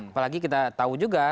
apalagi kita tahu juga